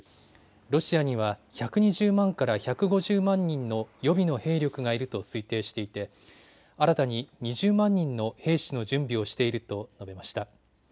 ロシアには１２０万から１５０万人の予備の兵力がいると推定していて新たに２０万人の兵士の準備をしていると述べました。